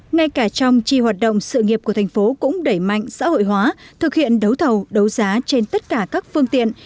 ngay cả trong chi hoạt động sự nghiệp của thành phố cũng đẩy mạnh xã hội hóa thực hiện đấu thầu đấu giá trên tất cả các phương tiện